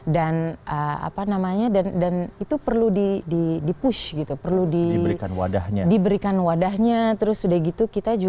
dan apa namanya dan menurut aku perempuan itu punya semangat itu jauh lebih tinggi menurut aku